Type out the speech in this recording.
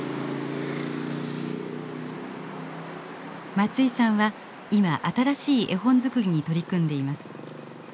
松居さんは今新しい絵本作りに取り組んでいます。